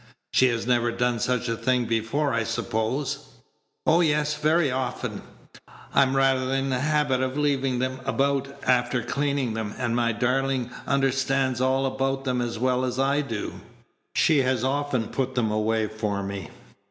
She had never done such a thing before, I suppose?" "Oh, yes, very often. I'm rather in the habit of leaving them about after cleaning them, and my darling understands all about them as well as I do. She has often put them away for me."